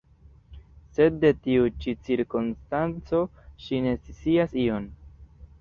Sed de tiu ĉi cirkonstanco ŝi ne scias ion.